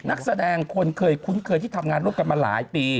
นักแสดงคนเคยคุ้นเคยที่ทำงานร่วมกันมาหลายปี